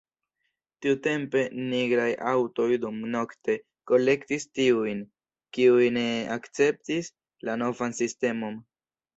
Tiutempe nigraj aŭtoj dumnokte kolektis tiujn, kiuj ne akceptis la novan sistemon.